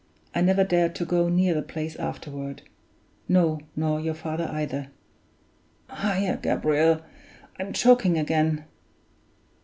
I never dared to go near the place afterward; no, nor your father either! (Higher, Gabriel! I'm choking again.)